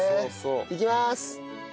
いきまーす！